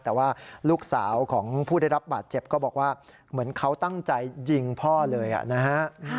แต่ว่าลูกสาวของผู้ได้รับบาดเจ็บก็บอกว่าเหมือนเขาตั้งใจยิงพ่อเลยนะฮะ